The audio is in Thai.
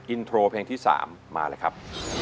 อินโทรเพลงที่๓มาเลยครับ